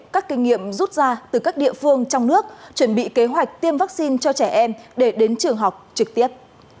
các kinh nghiệm rút ra từ các địa phương trong nước chuẩn bị kế hoạch tiêm vaccine cho trẻ em để đến trường học trực tiếp